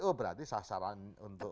oh berarti sasaran untuk